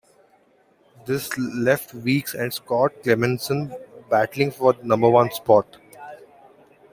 This left Weekes and Scott Clemmensen battling for the number one spot.